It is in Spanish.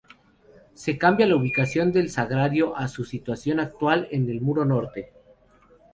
Se cambia la ubicación del sagrario a su situación actual en el muro norte.